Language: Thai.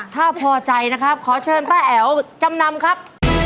ถ้าพอใจนะครับขอเชิญป้าแอ๋วจำนำครับ